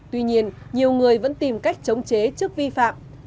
tuy nhiên nhiều người vẫn tìm cách chống chế trước vi phạm